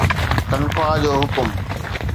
تنخواه جو حڪم